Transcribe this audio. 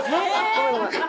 ごめんごめん」。